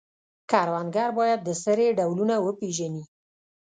کروندګر باید د سرې ډولونه وپیژني.